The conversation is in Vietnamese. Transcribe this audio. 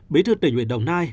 bí thư tỉnh ubnd đồng nai